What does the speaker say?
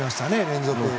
連続。